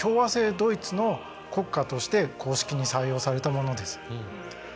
ドイツの国歌として公式に採用されたものです。